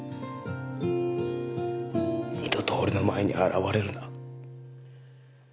二度と俺の前に現れるな。